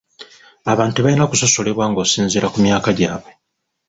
Abantu tebalina kusosolebwa ng'osinziira ku myaka gyabwe .